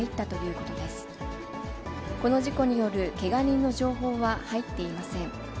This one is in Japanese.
この事故によるけが人の情報は入っていません。